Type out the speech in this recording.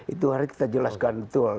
itu harus kita jelaskan betul